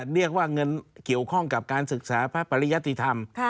เรียกว่าเงินเกี่ยวข้องกับการศึกษาพระปริยติธรรม